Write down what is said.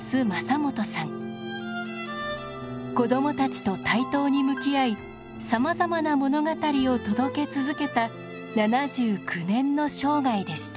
子どもたちと対等に向き合いさまざまな物語を届け続けた７９年の生涯でした。